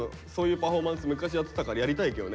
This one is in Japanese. パフォーマンス昔やってたからやりたいけどね。